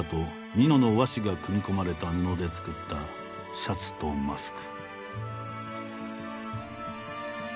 美濃の和紙が組み込まれた布で作ったシャツとマスク。